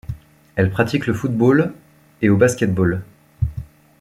Elle pratique le Football et au Basketball.